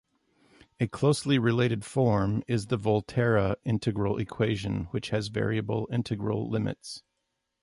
A closely related form is the Volterra integral equation which has variable integral limits.